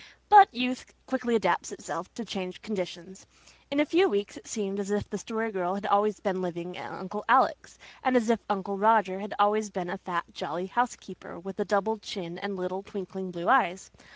But youth quickly adapts itself to changed conditions; in a few weeks it seemed as if the Story Girl had always been living at Uncle Alec's, and as if Uncle Roger had always had a fat, jolly housekeeper with a double chin and little, twinkling blue eyes.